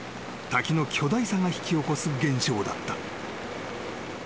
滝の巨大さが引き起こす現象だった］